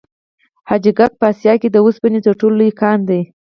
حاجي ګک په اسیا کې د وسپنې تر ټولو لوی کان دی.